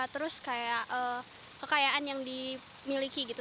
terus kayak kekayaan yang dimiliki gitu